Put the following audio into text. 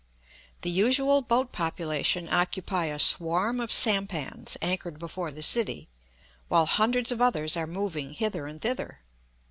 The usual boat population occupy a swarm of sampans anchored before the city, while hundreds of others are moving hither and thither.